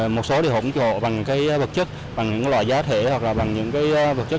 một số thì ủng hộ bằng bậc chất bằng những loại giá thể hoặc là bằng những bậc chất